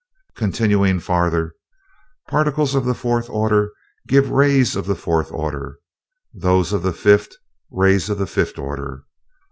"Continuing farther, particles of the fourth order give rays of the fourth order; those of the fifth, rays of the fifth order.